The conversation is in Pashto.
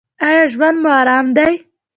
ایا ژوند مو ارام دی؟